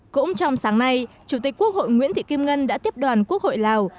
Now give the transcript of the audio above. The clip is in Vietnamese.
cũng trong sáng nay chủ tịch quốc hội nguyễn thị kim ngân đã tiếp đoàn quốc hội lào